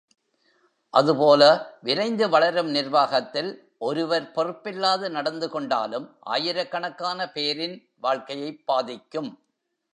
அதுபோல விரைந்து வளரும் நிர்வாகத்தில் ஒருவர் பொறுப் பில்லாது நடந்து கொண்டாலும் ஆயிரக்கணக்கான பேரின் வாழ்க்கையைப் பாதிக்கும்.